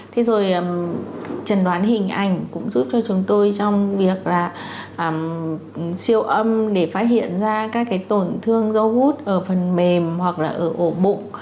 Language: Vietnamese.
thế rồi trần đoán hình ảnh cũng giúp cho chúng tôi trong việc là siêu âm để phát hiện ra các cái tổn thương do hút ở phần mềm hoặc là ở ổ bụng